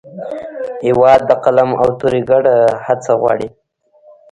هېواد د قلم او تورې ګډه هڅه غواړي.